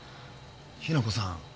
日名子さん